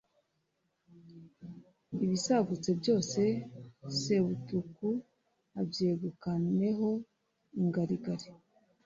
ibisagutse byose Sebutuku abyegukaneho ingarigari.